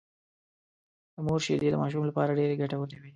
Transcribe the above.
د مور شېدې د ماشوم لپاره ډېرې ګټورې وي